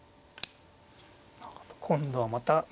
今度はまた銀が。